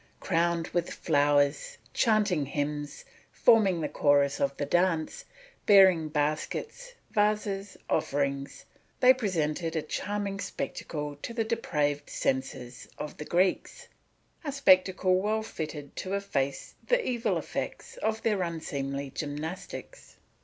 Crowned with flowers, chanting hymns, forming the chorus of the dance, bearing baskets, vases, offerings, they presented a charming spectacle to the depraved senses of the Greeks, a spectacle well fitted to efface the evil effects of their unseemly gymnastics.